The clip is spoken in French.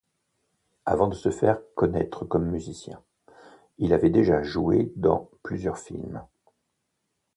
Avant de se faire connaître comme musicien, il avait déjà joué dans plusieurs films.